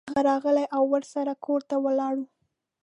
هغه راغی او ورسره کور ته ولاړو.